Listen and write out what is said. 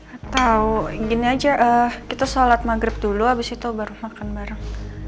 atau gini aja kita sholat maghrib dulu abis itu baru makan bareng